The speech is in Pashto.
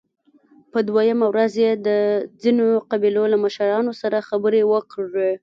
په دوهمه ورځ يې د ځينو قبيلو له مشرانو سره خبرې وکړې